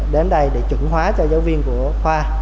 đến đây để chủng hóa cho giáo viên của khoa